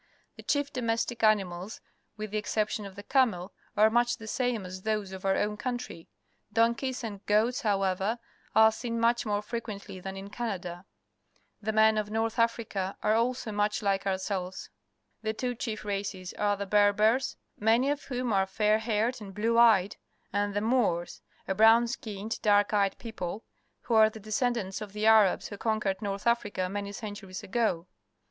The chief domestic animals, with the excep tion of the camel, are much the same as those of our own country. Donkeys and goats, however, are seen much more frequently than in Canada. The men of North Africa are AFRICA 227 also much like ourselves. The two chief races are the Berbers, many of whom are fair haired and blue eyed, and the A loors, a brown skinned, dark eyed people, who are the descendants of the Arabs who conquered North Africa many centuries ago.